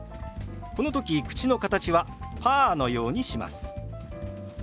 この時口の形はパーのようにします。